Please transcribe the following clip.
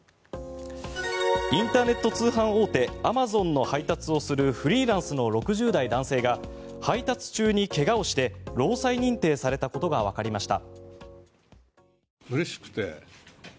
インターネット通販大手アマゾンの配達をするフリーランスの６０代男性が配達中に怪我をして労災認定されたことがわかりました。